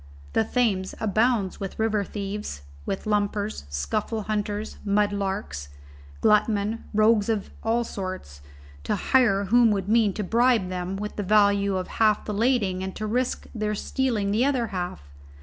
The Thames abounds with river thieves, with lumpers, scuffle hunters, mud larks, glutmen, rogues of all sorts, to hire whom would mean to bribe them with the value of half the lading and to risk their stealing the other half.